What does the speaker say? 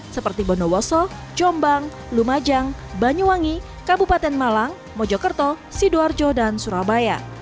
seperti bondowoso jombang lumajang banyuwangi kabupaten malang mojokerto sidoarjo dan surabaya